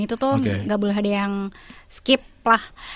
tapi belum ada yang skip lah